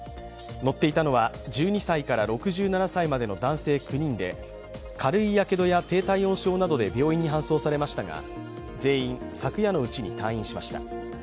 乗っていたのは１２歳から６７歳までの男性９人で軽いやけどや低体温症などで病院に搬送されましたが、全員、昨夜のうちに退院しました。